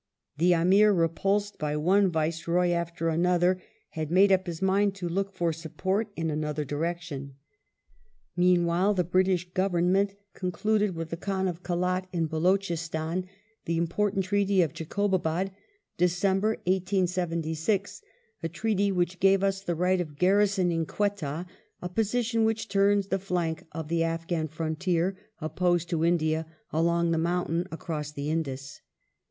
The Amir, repulsed by one Viceroy after another, had made up his mind to look for support in another direction. Meanwhile, the British Government concluded with the Khan of Kelat in Baluchistan the impoitant Treaty of Jacobabad (Dec. 1876), a Treaty which gave us the right of gari'isoning Quetta, a position which turns the flank of the Afghan frontier opposed to India along the mountain across the Indus.